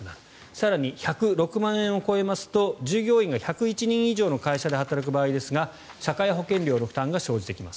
更に、１０６万円を超えますと従業員が１０１人以上の会社で働く場合社会保険料の負担が生じてきます。